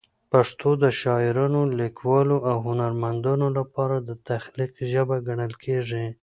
پښتو د شاعرانو، لیکوالو او هنرمندانو لپاره د تخلیق ژبه ګڼل کېږي.